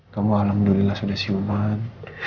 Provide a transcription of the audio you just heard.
kamu alhamdulillah sudah siuman